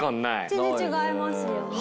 全然違いますよね。